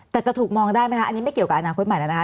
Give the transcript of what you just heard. แต่จะถูกมองได้ไหมคะอันนี้ไม่เกี่ยวกับอนาคตใหม่แล้วนะคะ